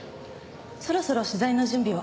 そろそろ取材の準備を。